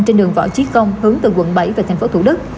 trên đường võ chí công hướng từ quận bảy về thành phố thủ đức